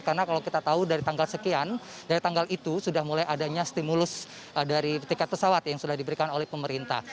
karena kalau kita tahu dari tanggal sekian dari tanggal itu sudah mulai adanya stimulus dari tiket pesawat yang sudah diberikan oleh pemerintah